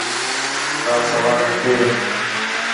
کا سوال ہتھے؟